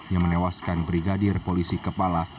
yang menewaskan brigadier tengah